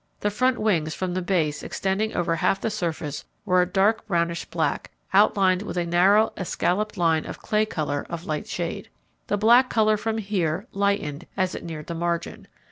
The front wings from the base extending over half the surface were a dark brownish black, outlined with a narrow escalloped line of clay colour of light shade. The black colour from here lightened as it neared the margin.